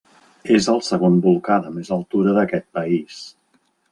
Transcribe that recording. És el segon volcà de més altura d'aquest país.